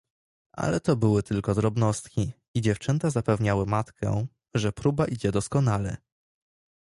"Ale to były tylko drobnostki i dziewczęta zapewniały matkę, że próba idzie doskonale."